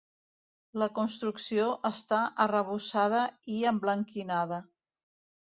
La construcció està arrebossada i emblanquinada.